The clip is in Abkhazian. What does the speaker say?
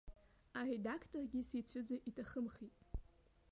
Аредакторгьы сицәыӡыр иҭахымхеит.